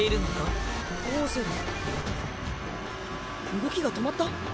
動きが止まった？